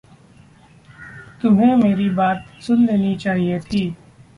तुम्हे मेरी बात सुन लेनी चाहिए थी।